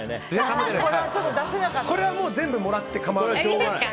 これは全部もらって構わない。